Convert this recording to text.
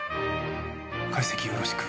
解析よろしく。